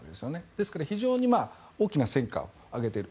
ですから非常に大きな戦果を上げている。